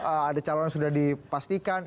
ada calon sudah dipastikan